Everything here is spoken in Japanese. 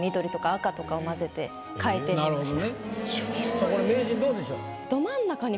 さあこれ名人どうでしょう？